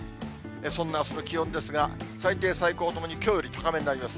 そんな気温ですが、最低最高ともにきょうより高めになります。